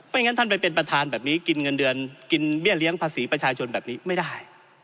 งั้นท่านไปเป็นประธานแบบนี้กินเงินเดือนกินเบี้ยเลี้ยงภาษีประชาชนแบบนี้ไม่ได้